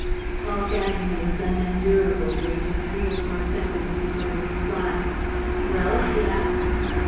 Paul's agony was unendurable during the three or four seconds before the reply. "Well?" he asked.